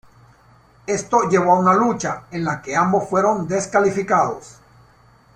Esto llevó a una lucha, en la que ambos fueron descalificados.